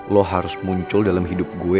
lo harus muncul dalam hidup gue